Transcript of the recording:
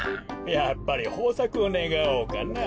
やっぱりほうさくをねがおうかな。